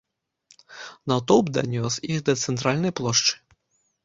Натоўп данёс іх да цэнтральнай плошчы.